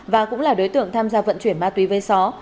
và cũng là đối tượng tham gia vận chuyển ma túy với gió